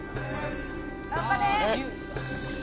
頑張れ！